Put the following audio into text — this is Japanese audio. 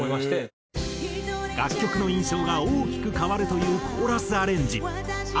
楽曲の印象が大きく変わるというコーラスアレンジ。